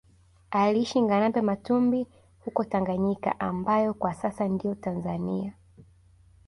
Aliishi Ngarambe Matumbi huko Tanganyika ambayo kwa sasa ndiyo Tanzania